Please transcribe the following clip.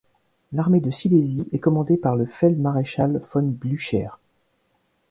L'armée de Silésie est commandée par le feld-maréchal von Blücher.